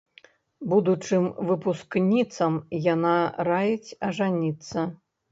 Будучым выпускніцам яна раіць ажаніцца.